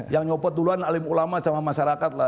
yang nyopot duluan alim ulama sama masyarakat lah